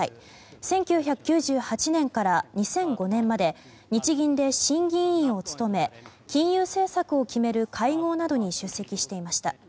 １９９８年から２００５年まで日銀で審議委員を務め金融政策を決める会合などに出席していました。